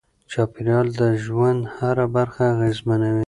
چاپیریال د ژوند هره برخه اغېزمنوي.